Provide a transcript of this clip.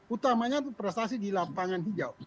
utamanya prestasi di lapangan hijau